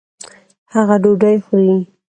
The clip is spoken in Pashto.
هغه ډوډۍ خوري.